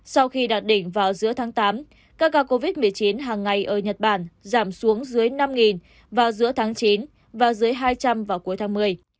sau khi đạt đỉnh vào giữa tháng tám các ca covid một mươi chín hàng ngày ở nhật bản giảm xuống dưới năm vào giữa tháng chín và dưới hai trăm linh vào cuối tháng một mươi